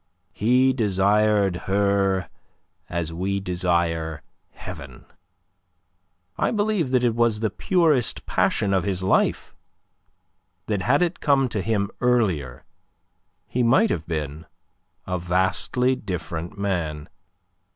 He desired her as we desire Heaven. I believe that it was the purest passion of his life; that had it come to him earlier he might have been a vastly different man.